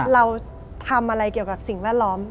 เราทำอะไรเกี่ยวกับสิ่งแวดล้อม